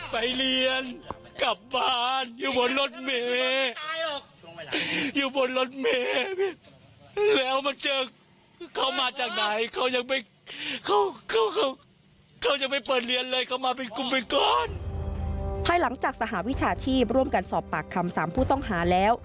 ภายหลังจากสหวิชาชีพร่วมกันสอบปากคำ๓ผู้ต้องหาแล้ว